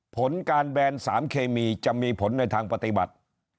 ผลการแบนสารเคมีจะมีผลในทางปฏิบัติ